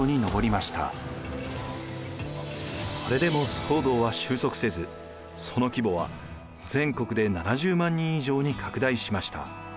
それでも騒動は収束せずその規模は全国で７０万人以上に拡大しました。